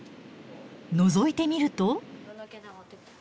のぞいてみると。